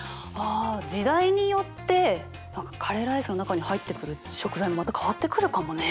あ時代によってカレーライスの中に入ってくる食材もまた変わってくるかもね。